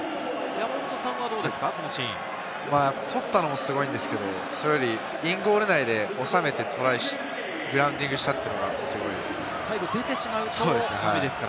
山本さん、どうで取ったのはすごいんですけれども、インゴール内で収めてグラウンディングしたというのが、すごいですね。